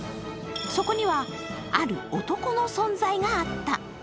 そこには、ある男の存在があった。